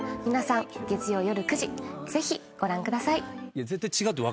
皆さん月曜夜９時ぜひご覧ください。